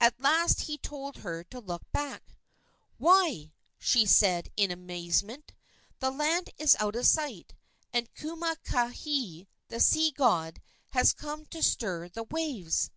At last he told her to look back. "Why," said she, in amazement, "the land is out of sight, and Kumukahi, the sea god, has come to stir the waves!"